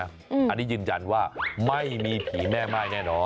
อันนี้ยืนยันว่าไม่มีผีแม่ม่ายแน่นอน